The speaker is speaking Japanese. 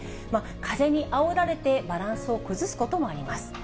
風にあおられて、バランスを崩すこともあります。